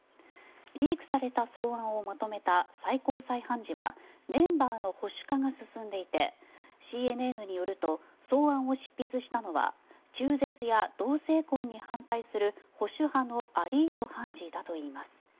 リークされた草案をまとめた最高裁判事はメンバーの保守化が進んでいてＣＮＮによると草案を執筆したのは中絶や同性婚に反対する保守派のアリート判事だといいます。